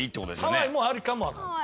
ハワイもあるかもわかんない。